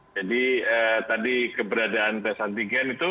jadi tadi keberadaan tes antigen itu